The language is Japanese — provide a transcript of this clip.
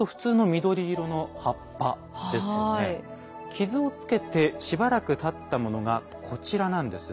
傷をつけてしばらくたったものがこちらなんです。